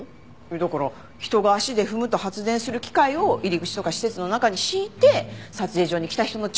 だから人が足で踏むと発電する機械を入り口とか施設の中に敷いて撮影所に来た人の力で発電する！